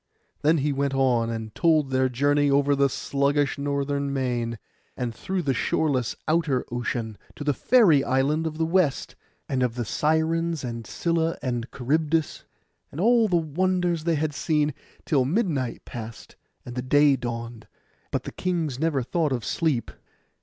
Then he went on, and told their journey over the sluggish northern main, and through the shoreless outer ocean, to the fairy island of the west; and of the Sirens, and Scylla, and Charybdis, and all the wonders they had seen, till midnight passed and the day dawned; but the kings never thought of sleep.